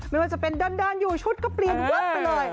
ไม่ว่าจะเป็นดันอยู่ชุดก็เปลี่ยนวับไปเลย